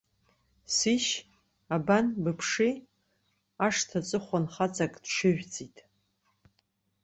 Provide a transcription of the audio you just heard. Сишь, абан, быԥшы, ашҭа аҵыхәан хаҵак дҽыжәҵит.